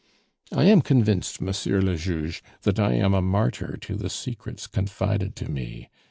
"I am convinced, Monsieur le Juge, that I am a martyr to the secrets confided to me.